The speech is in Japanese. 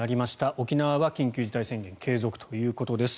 沖縄は緊急事態宣言継続ということです。